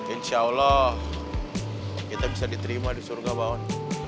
insya allah kita bisa diterima di surga bang